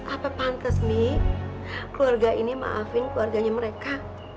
apa pantes mi keluarga ini maafin keluarganya mereka